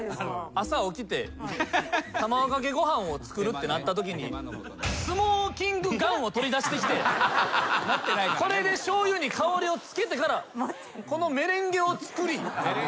朝起きて卵かけご飯を作るってなったときにスモーキングガンを取り出してきてこれでしょうゆに香りをつけてからメレンゲを作り。